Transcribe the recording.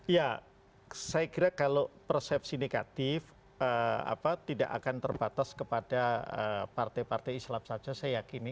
ya saya kira kalau persepsi negatif tidak akan terbatas kepada partai partai islam saja saya yakini